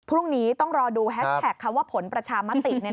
พรุ่งนี้ต้องรอดูแฮชแท็กว่าผลประชามติ